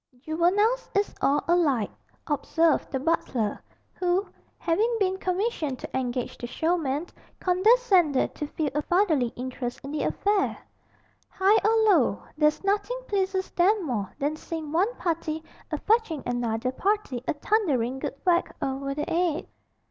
'Juveniles is all alike,' observed the butler, who, having been commissioned to engage the showmen, condescended to feel a fatherly interest in the affair; ''igh or low, there's nothing pleases 'em more than seeing one party a fetching another party a thunderin' good whack over the 'ead.